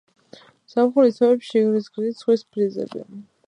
ზაფხულის თვეებში ქრის გრილი ზღვის ბრიზები.